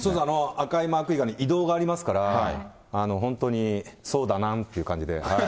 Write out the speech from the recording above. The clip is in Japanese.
赤いマーク以外に、移動がありますから、本当に、そうダナンっていう感じで。